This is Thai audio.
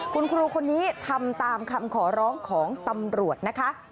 คุณครูคนนี้ทำตามคำขอร้องของตำรวจนะคะ